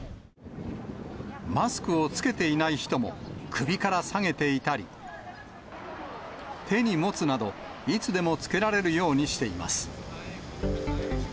マスクを着けていない人も、首から提げていたり、手に持つなど、いつでも着けられるようにしています。